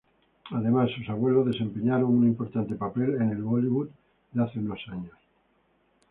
Además, sus abuelos desempeñaron un importante papel en el Bollywood de hace unos años.